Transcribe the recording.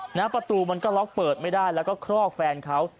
หน้าประตูมันก็ล็อกเปิดไม่ได้แล้วก็ครอกแฟนเขา